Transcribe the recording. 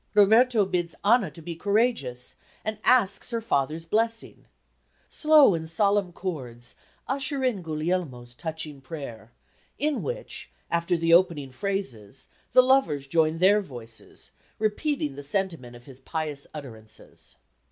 Roberto bids Anna to be courageous, and asks her father's blessing. Slow and solemn chords usher in Guglielmo's touching prayer, in which after the opening phrases the lovers join their voices, repeating the sentiment of his pious utterances.